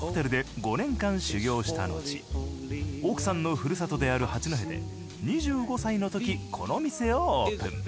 奥さんのふるさとである八戸で２５歳の時この店をオープン。